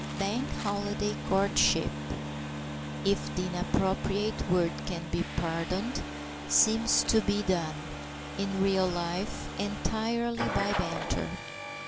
Bank Holiday courtship (if the inappropriate word can be pardoned) seems to be done, in real life, entirely by banter.